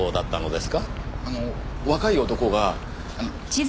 あの若い男があの。